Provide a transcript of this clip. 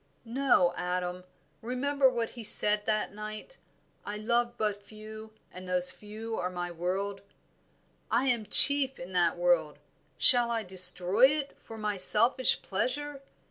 "No, Adam. Remember what he said that night: 'I love but few, and those few are my world,' I am chief in that world; shall I destroy it, for my selfish pleasure?